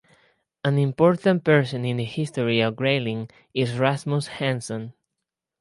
An important person in the history of Grayling is Rasmus Hanson.